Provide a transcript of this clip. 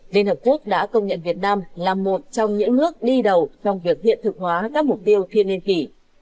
liên hợp quốc đã công nhận việt nam là một trong những nước đi đầu trong việc hiện thực hóa các mục tiêu thiên niên kỷ